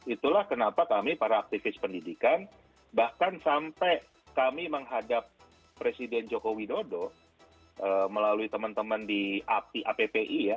itulah kenapa kami para aktivis pendidikan bahkan sampai kami menghadap presiden joko widodo melalui teman teman di appi ya